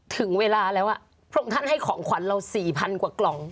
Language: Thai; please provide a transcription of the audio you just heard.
ถึงเวลาแล้วพระองค์ท่านให้ของขวัญเรา๔๐๐กว่ากล่อง